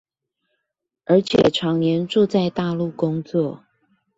而且長年住在大陸工作